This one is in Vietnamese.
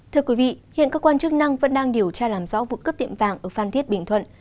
thưa quý vị hiện cơ quan chức năng vẫn đang điều tra làm rõ vụ cướp tiệm vàng ở phan thiết bình thuận